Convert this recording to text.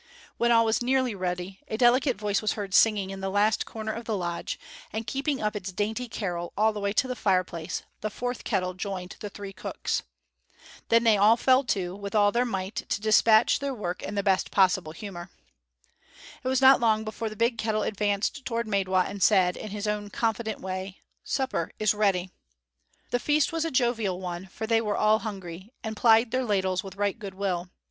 When all was nearly ready, a delicate voice was heard singing in the last corner of the lodge, and keeping up its dainty carol all the way to the fireplace, the fourth kettle joined the three cooks. Then they all fell to with all their might to despatch their work in the best possible humor. It was not long before the big kettle advanced toward Maidwa and said, in his own confident way, "Supper is ready!" The feast was a jovial one, for they were all hungry, and plied their ladles with right good will.